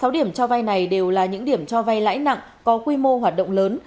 sáu điểm cho vay này đều là những điểm cho vay lãi nặng có quy mô hoạt động lớn